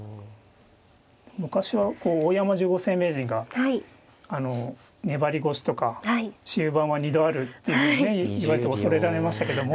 昔は大山十五世名人が「粘り腰」とか「終盤は二度ある」っていうふうにね言われて恐れられましたけども。